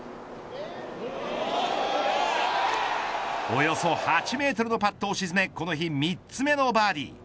およそ８メートルのパットを沈めこの日３つ目のバーディー。